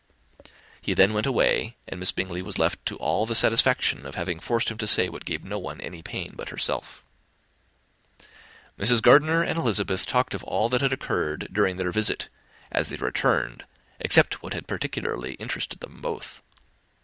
He then went away, and Miss Bingley was left to all the satisfaction of having forced him to say what gave no one any pain but herself. Mrs. Gardiner and Elizabeth talked of all that had occurred during their visit, as they returned, except what had particularly interested them both.